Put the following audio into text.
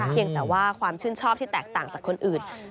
เพียงแต่ว่าความชื่นชอบที่แตกต่างจากคนอื่น